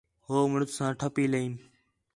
ہو مُݨس ساں ٹَھپّی لئیم